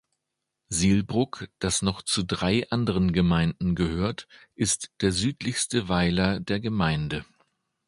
Sihlbrugg, das noch zu drei anderen Gemeinden gehört, ist der südlichste Weiler der Gemeinde.